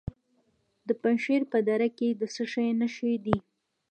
د پنجشیر په دره کې د څه شي نښې دي؟